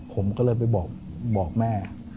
ผมก็เลยไปบอกแม่